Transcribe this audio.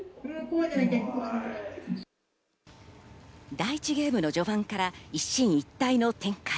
第１ゲームの序盤から一進一退の展開。